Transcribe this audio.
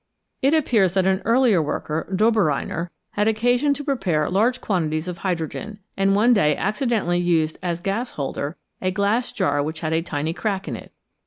It appears that an earlier worker, Dobereiner, had occasion to prepare large quan tities of hydrogen, and one day accidentally used as gas holder a glass jar which had a tiny crack in it.